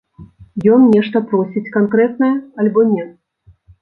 Ён нешта просіць канкрэтнае, альбо не?